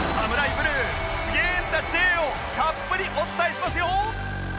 ブルーすげぇんだ Ｊ をたっぷりお伝えしますよ